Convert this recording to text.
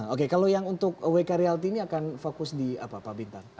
oke kalau yang untuk wk reality ini akan fokus di apa pak bintang